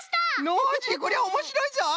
ノージーこりゃおもしろいぞい！